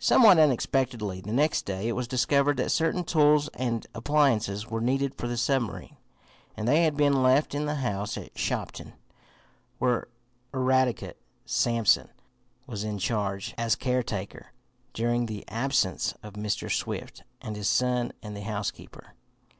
Somewhat unexpectedly the next day it was discovered that certain tools and appliances were needed for the submarine, and they had been left in the house at Shopton, where Eradicate Sampson was in charge as caretaker during the absence of Mr. Swift and his son and the housekeeper.